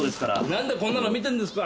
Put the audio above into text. なんでこんなの見てんですか？